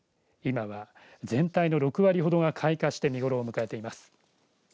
今は全体の６割ほどが開花して見ごろを迎えています。